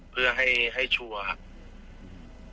เพื่อให้ชัวร์